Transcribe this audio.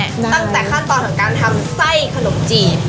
ตั้งแต่ขั้นตอนของการทำไส้ขนมจีบ